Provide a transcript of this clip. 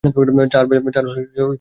চার সবচেয়ে বাজে সংখ্যা।